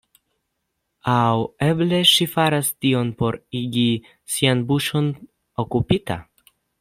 Aŭ eble, ŝi faras tion por igi sian buŝon okupita.